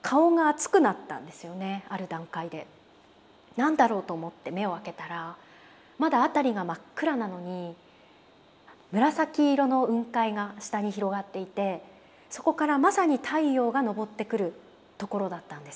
何だろうと思って目を開けたらまだ辺りが真っ暗なのに紫色の雲海が下に広がっていてそこからまさに太陽が昇ってくるところだったんです。